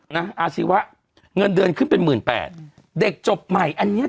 อาชีวะเงินเดือนขึ้นเป็นหมื่นแปดเด็กจบใหม่อันเนี้ย